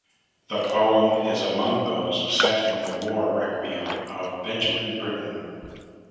The poem is among those set in the "War Requiem" of Benjamin Britten.